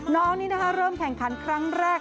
น้องนี้เริ่มแข่งขนครั้งแรก